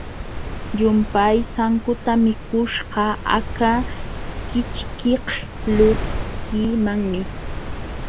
Llumpay sankuta mikuśhqa aka kićhkiqlunkimanmi.